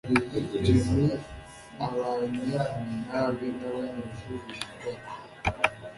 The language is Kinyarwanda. Jim abanye nabi nabanyeshuri bigana.